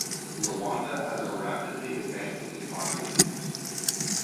Rwanda has a rapidly advancing economy.